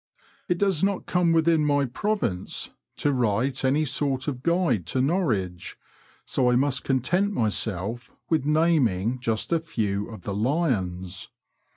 It does not come within my province to write any sort of guide to Norwich, so I must content myself with naming just a few of the lions."